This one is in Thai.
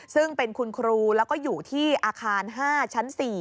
ซึ่งเป็นคุณครูแล้วก็อยู่ที่อาคาร๕ชั้น๔